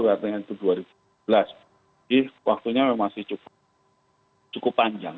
jadi waktunya memang masih cukup panjang